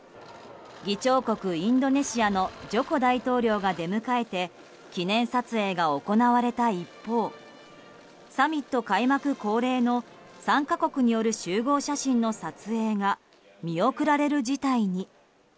議長国インドネシアのジョコ大統領が出迎えて記念撮影が行われた一方サミット開幕恒例の参加国による集合写真の撮影が見送られる事態に。